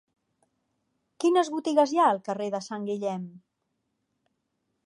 Quines botigues hi ha al carrer de Sant Guillem?